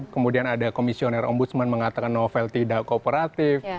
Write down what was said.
kemudian ada komisioner om busman mengatakan novel tidak kooperatif